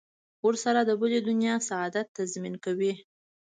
ورسره د بلې دنیا سعادت تضمین کوي.